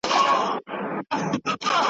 ننګیالیه ډیر به نه اوږده وې بحث.